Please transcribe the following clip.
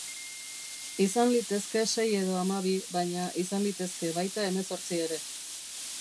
Izan litezke sei edo hamabi, baina izan litezke baita hemezortzi ere.